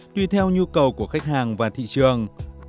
tuy theo nhu cầu của khách hàng và thị trường